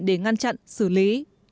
để ngăn chặn xử lý